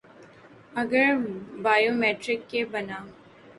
اگر biometric کے بنا